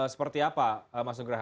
seperti apa mas nugraha